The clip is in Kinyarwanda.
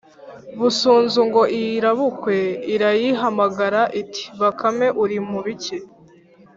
Busunzu ngo iyirabukwe irayihamagara iti Bakame urimubiki